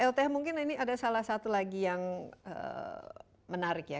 lth mungkin ini ada salah satu lagi yang menarik ya